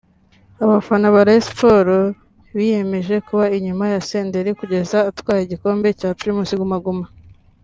Abafana ba Rayon biyemeje kuba inyuma ya Senderi kugeza atwaye igikombe cya Primus Guma Guma